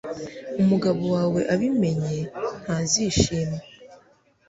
Umugabo wawe abimenye ntazishima